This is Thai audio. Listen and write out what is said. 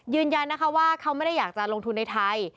ยืนยันนะคะว่าเขาไม่ได้อยากจะลงทุนในไทย